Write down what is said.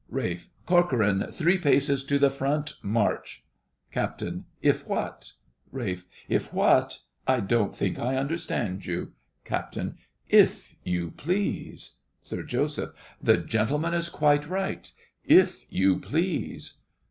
RALPH. Corcoran. Three paces to the front—march! CAPT. If what? RALPH. If what? I don't think I understand you. CAPT. If you please. SIR JOSEPH. The gentleman is quite right. If you please.